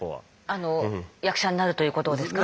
あの役者になるということをですか？